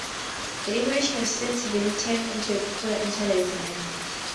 The image has since been turned into a popular Internet meme.